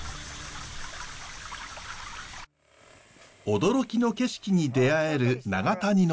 驚きの景色に出会える長谷の棚田。